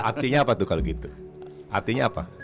artinya apa tuh kalau gitu artinya apa